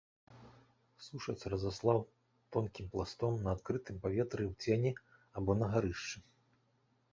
Сушаць, разаслаў тонкім пластом на адкрытым паветры ў цені або на гарышчы.